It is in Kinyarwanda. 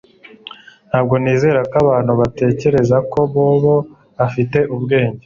Ntabwo nizera ko abantu batekereza ko Bobo afite ubwenge